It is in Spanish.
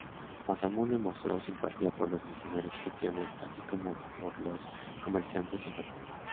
Masamune mostró simpatía por los misioneros cristianos así como por los comerciantes en Japón.